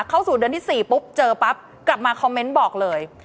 เข้าสู่เดือนที่๔ปุ๊บเจอปั๊บกลับมาคอมเมนต์บอกเลย